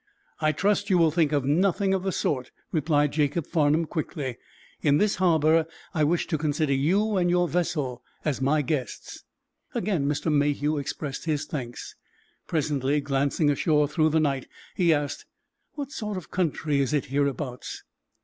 "I trust you will think of nothing of the sort," replied Jacob Farnum, quickly. "In this harbor I wish to consider you and your vessel as my guests." Again Mr. Mayhew expressed his thanks. Presently, glancing ashore through the night, he asked: "What sort of country is it hereabouts?"